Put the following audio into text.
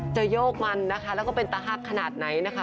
โยกมันนะคะแล้วก็เป็นตะฮักขนาดไหนนะคะ